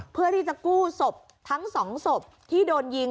เพื่อที่จะกู้ศพทั้งสองศพที่โดนยิง